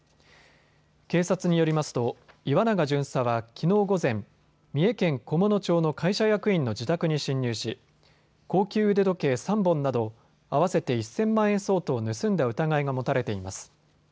警察によりますと岩永巡査はきのう午前、三重県菰野町の会社役員の自宅に侵入し高級腕時計３本など合わせて１０００万円相当を盗んだ疑いが持たれています。